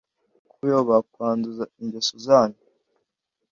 kuyoba kwanduza ingeso zanyu